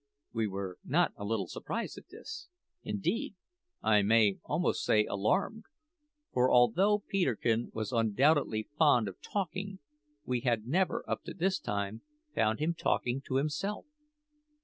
We were not a little surprised at this indeed, I may almost say alarmed; for although Peterkin was undoubtedly fond of talking, we had never, up to this time, found him talking to himself.